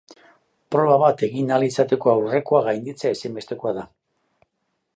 Proba bat egin ahal izateko aurrekoa gainditzea ezinbestekoa da.